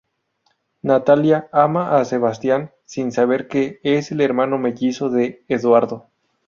Natalia ama a Sebastián, sin saber que es el hermano mellizo de Eduardo.